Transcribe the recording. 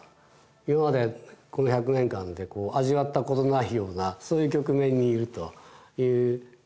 今までこの１００年間で味わったことのないようなそういう局面にいるという。